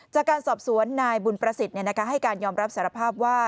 จากการสอบสวนนายบุญประสิทธิ์ให้การยอมรับสารภาพว่า